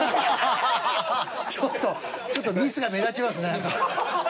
ちょっとちょっとミスが目立ちますね。